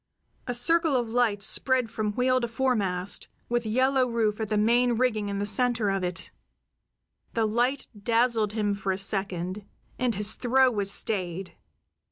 A circle of light spread from wheel to foremast, with Yellow Rufe at the main rigging in the center of it. The light dazzled him for a second, and his throw was stayed.